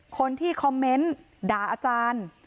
คนที่คอมเมนต์ด่าอาจารย์